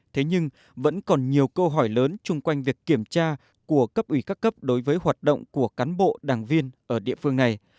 thế nhưng vẫn còn nhiều câu hỏi lớn chung quanh việc kiểm tra của cấp ủy các cấp đối với hoạt động của cán bộ đảng viên ở địa phương này